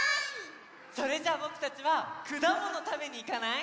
それじゃあぼくたちはくだものたべにいかない？